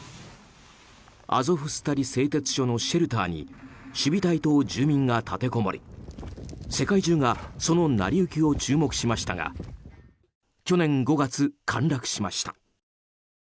アゾフスタリ製鉄所のシェルターに守備隊と住民が立てこもり世界中がその成り行きを注目しましたが去年５月、陥落しました。